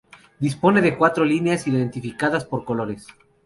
Dispone de cuatro líneas identificadas por colores.